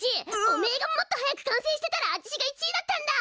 おめえがもっと早く完成してたらあちしが１位だったんだ！